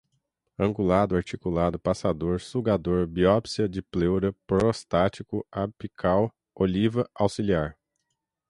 angulado, articulado, passador, sugador, biópsia de pleura, prostático, apical, oliva, auxiliar